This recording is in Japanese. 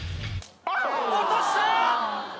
落とした！